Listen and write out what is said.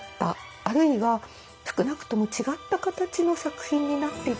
あるいは少なくとも違った形の作品になっていた。